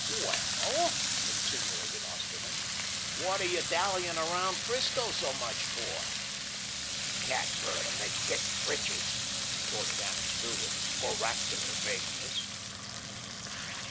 "Well," insinuated Osterman, "what are you dallying 'round 'Frisco so much for?" "Cat fur, to make kitten breeches," retorted Annixter with oracular vagueness.